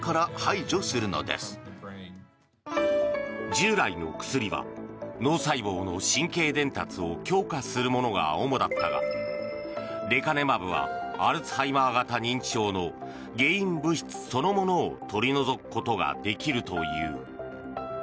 従来の薬は脳細胞の神経伝達を強化するものが主だったがレカネマブはアルツハイマー型認知症の原因物質そのものを取り除くことができるという。